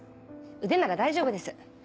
腕なら大丈夫です。